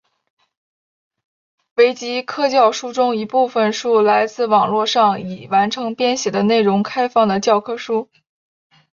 维基教科书中一部分书来自网路上已完成编写的内容开放的教科书。